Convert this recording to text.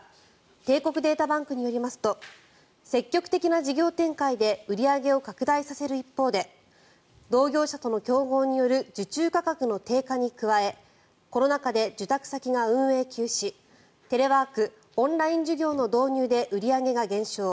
帝国データバンクによりますと積極的な事業展開で売り上げを拡大させる一方で同業者との競合による受注価格の低下に加えコロナ禍で受託先が運営休止テレワーク、オンライン授業の導入で売り上げが減少